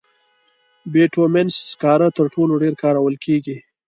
بټومینس سکاره تر ټولو ډېر کارول کېږي.